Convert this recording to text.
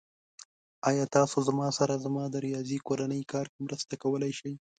ایا تاسو زما سره زما د ریاضی کورنی کار کې مرسته کولی شئ؟